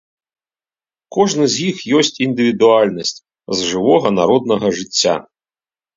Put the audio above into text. Кожны з іх ёсць індывідуальнасць з жывога народнага жыцця.